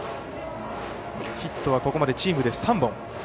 ヒットはここまでチームで３本。